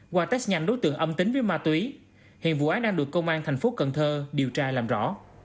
qua test nhanh đối tượng âm tính với ma túy hiện vụ án đang được công an thành phố cần thơ điều tra làm rõ